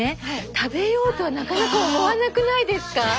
食べようとはなかなか思わなくないですか？